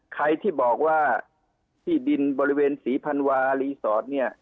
ใครที่บอกว่าที่ดินบริเวณศรีพันวารีสอร์ทเนี่ย